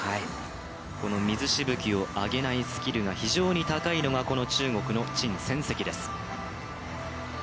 この水しぶきを上げないスキルが非常に高いのが中国の陳芋汐です。